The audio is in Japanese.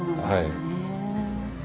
はい。